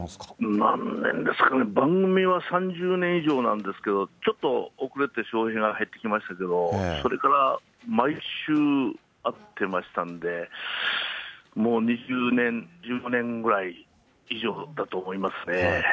何年ですかね、番組は３０年以上なんですけれども、ちょっと遅れて笑瓶が入ってきましたけど、それから毎週会ってましたんで、もう２０年、１５年ぐらい以上だと思いますね。